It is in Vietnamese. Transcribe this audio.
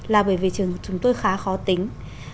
là bởi vì trường của chúng tôi khá khó tính